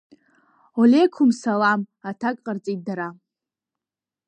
Олеқум салам, аҭак ҟарҵеит дара.